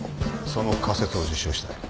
その仮説を実証したい。